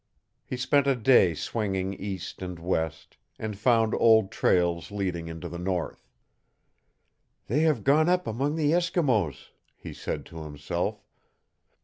He spent a day swinging east and west, and found old trails leading into the north. "They have gone up among the Eskimos," he said to himself.